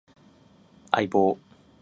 相棒